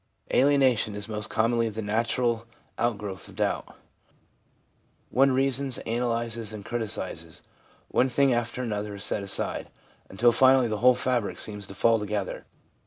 Alienation is most commonly the natural outgrowth of doubt ; one reasons, analyses and criticises ; one thing after another is set aside, until finally the whole fabric seems to fall together.